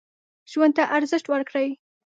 ژوند ته ارزښت ورکړئ.